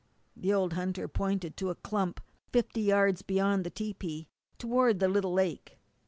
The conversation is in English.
The old hunter pointed to a clump fifty yards beyond the tepee toward the little lake.